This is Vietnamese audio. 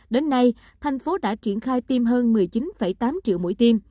đến nay thành phố đã triển khai tiêm hơn một mươi chín tám triệu mũi tiêm